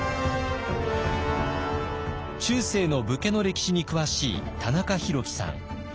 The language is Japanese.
中世の武家の歴史に詳しい田中大喜さん。